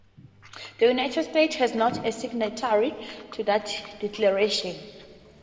The United States was not a signatory to that declaration.